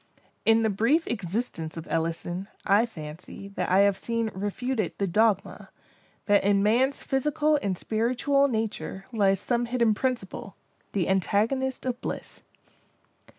In the brief existence of Ellison, I fancy, that I have seen refuted the dogma—that in man's physical and spiritual nature, lies some hidden principle, the antagonist of Bliss.